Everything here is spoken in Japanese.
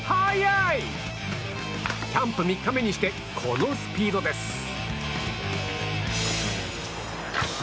キャンプ３日目にしてこのスピードです。